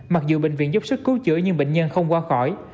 mặc dù bệnh viện giúp sức cứu chữa nhưng bệnh nhân không qua khỏi